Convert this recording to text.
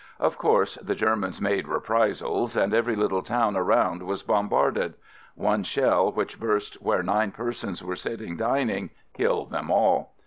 Of course the Germans made "reprisals " and every little town around was bombarded. One shell which burst where nine persons were sit ting dining killed them all.